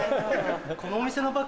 このお店のバッグ